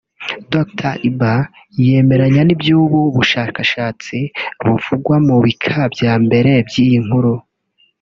Dr Iba yemeranya n’iby’ubu bushakashatsi buvugwa mu bika bya mbere by’iyi nkuru